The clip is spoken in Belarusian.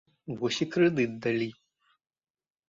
Вось і крэдыт далі.